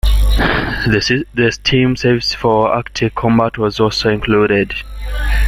The Steam service for Arctic Combat was also included.